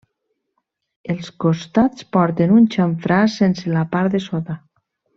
Els costats porten un xamfrà sense la part de sota.